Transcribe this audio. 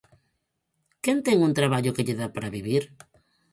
Quen ten un traballo que lle dá para vivir?